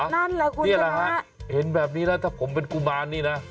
นั่นแหละคุณนี่แหละฮะเห็นแบบนี้แล้วถ้าผมเป็นกุมารนี่นะ